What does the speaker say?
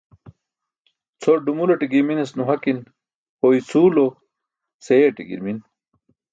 Cʰor dumulate girminas nuhakin. Ho icʰuwlo seeyaṭe girmin.